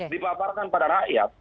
dipaparkan pada rakyat